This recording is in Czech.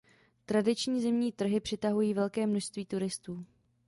Tradiční zimní trhy přitahují velké množství turistů.